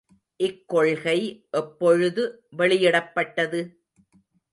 இக்கொள்கை எப்பொழுது வெளியிடப்பட்டது?